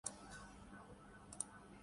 جو کچھ ہوا، وہ بھی